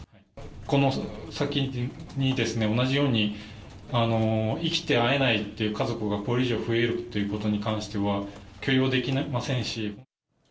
この先に、同じように生きて会えないっていう家族がこれ以上増えるということに関しては、許容できませんし。